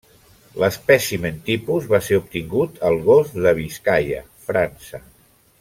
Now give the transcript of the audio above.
L'espècimen tipus va ser obtingut al Golf de Biscaia, França.